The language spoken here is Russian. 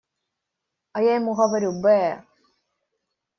А я ему говорю: «Бэ-э!»